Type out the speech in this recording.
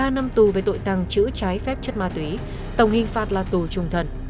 ba năm tù về tội tăng chữ trái phép chất ma túy tổng hình phạt là tù trung thân